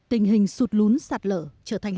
tình hình sụt lún sạt lở trở thành